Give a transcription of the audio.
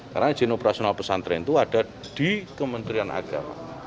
karena izin operasional pesantren itu ada di kementerian agama